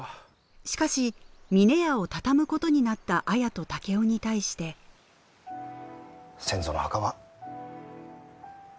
しかし峰屋を畳むことになった綾と竹雄に対して先祖の墓はわしらが守っちゃるき。